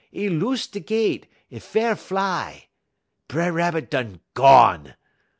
'E loose de gett, 'e fair fly. B'er Rabbit done gone!